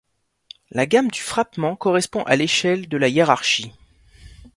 La gamme du frappement correspond à l’échelle de la hiérarchie.